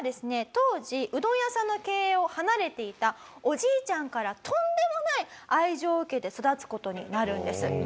当時うどん屋さんの経営を離れていたおじいちゃんからとんでもない愛情を受けて育つ事になるんです。